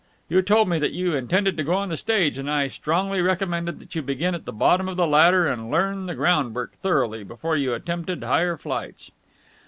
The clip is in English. You told me that you intended to go on the stage, and I strongly recommended you to begin at the bottom of the ladder and learn the ground work thoroughly before you attempted higher flights."